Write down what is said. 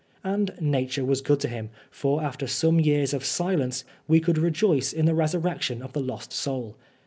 And Nature was good to him, for after some years of silence we could rejoice in the resurrection of the lost soul.